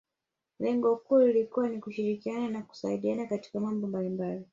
Lengo kuu ilikuwa ni kushirikiana na kusaidiana katika mambo mbalimbali